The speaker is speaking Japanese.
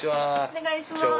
お願いします。